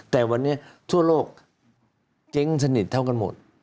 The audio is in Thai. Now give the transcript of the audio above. แต่วันนี้ทั่วโลกเจ๊งสนิทเท่ากันหมด